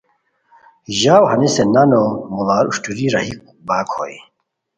ژاؤ ہنیسے نانو موڑار اوشٹوری راہی باک ہوئے